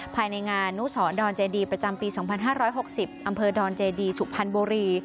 ภายในงานนุสรดอนเจดีประจำปี๒๕๖๐อำเภอดอนเจดีสุพรรณบุรี